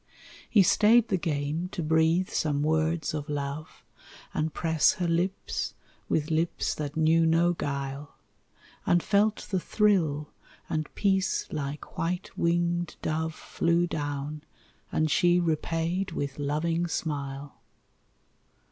He stayed the game to breathe some words of love And press her lips with lips that knew no guile, And felt the thrill, and peace like white winged dove Flew down, and she repaid with loving smile.